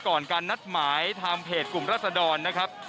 ก่อนการนัดหมายทางเพจกลุ่มรัศดรนะครับ